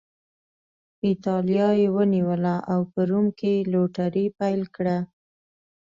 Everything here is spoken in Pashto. اېټالیا یې ونیوله او په روم کې یې لوټري پیل کړه